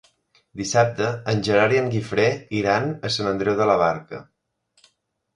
Dissabte en Gerard i en Guifré iran a Sant Andreu de la Barca.